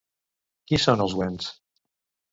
Qui són els Wends?